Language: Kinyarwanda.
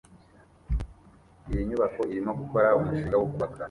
Iyi nyubako irimo gukora umushinga wo kubaka